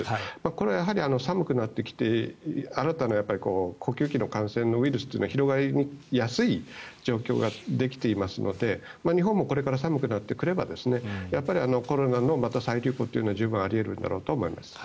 これはやはり寒くなってきて新たな呼吸器の感染のウイルスが広がりやすい状況ができていますので日本もこれから寒くなってくればコロナの再流行というのは十分あり得るんだろうと思います。